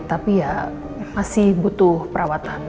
tapi ya masih butuh perawatan